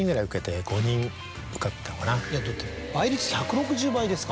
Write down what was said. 倍率１６０倍ですか。